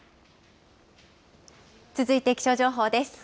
続いて気象情報です。